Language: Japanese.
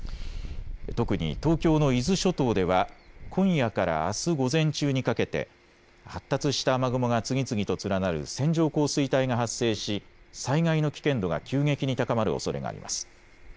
特に東京の伊豆諸島では今夜からあす午前中にかけて発達した雨雲が次々と連なる線状降水帯が発生し災害の危険度が急激に高まるおそれがあります。